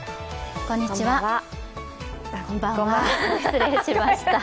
こんばんは、失礼しました。